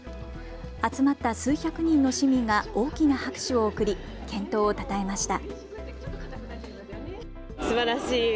集まった数百人の市民が大きな拍手を送り健闘をたたえました。